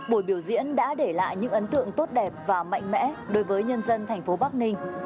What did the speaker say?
buổi biểu diễn đã để lại những ấn tượng tốt đẹp và mạnh mẽ đối với nhân dân thành phố bắc ninh